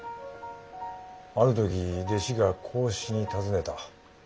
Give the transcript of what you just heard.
ある時弟子が孔子に尋ねた。